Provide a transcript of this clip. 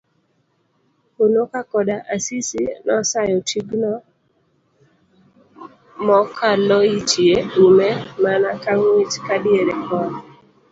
Hunuka Koda Asisi nosayo tigno mokaloitie ume mana kangich kadiere koth.